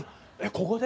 ここで？